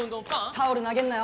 タオル投げんなよ。